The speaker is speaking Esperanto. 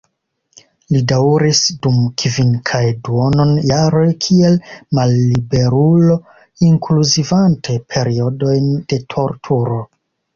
Li daŭris dum kvin kaj duonon jaroj kiel malliberulo, inkluzivante periodojn de torturo.